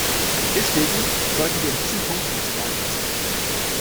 Deswegen sollten wir in diesem Punkt nicht nachlassen.